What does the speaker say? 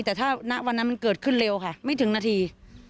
แต่ถ้าณวันนั้นมันเกิดขึ้นเร็วค่ะไม่ถึงนาที